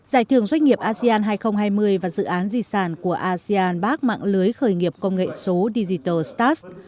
giải thưởng doanh nghiệp asean hai nghìn hai mươi và dự án di sản của asean bác mạng lưới khởi nghiệp công nghệ số digital starts